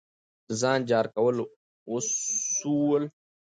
د ځان جار کول وسول.